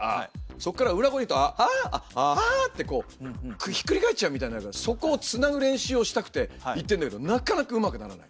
そこから裏声にいくと「アア」ってこうひっくり返っちゃうみたいなそこをつなぐ練習をしたくて行ってるんだけどなかなかうまくならない。